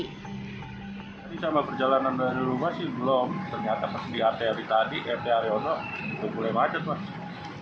ini sama perjalanan dari rumah sih belum ternyata di ateli tadi mt haryono juga mulai macet